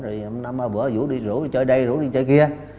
rồi bữa rủ đi chơi đây rủ đi chơi kia